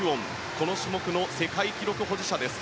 この種目の世界記録保持者です。